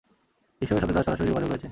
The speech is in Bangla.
ঈশ্বরের সাথে তার সরাসরি যোগাযোগ রয়েছে।